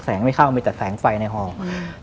แสงไม่เข้ามีแต่แสงไฟในหอว์